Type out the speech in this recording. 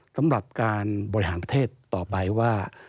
สำหรับการบริหารประเทศต่อไปว่า